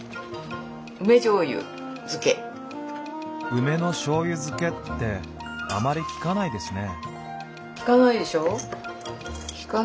梅のしょうゆ漬けってあまり聞かないですね。